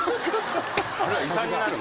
あれは遺産になるの？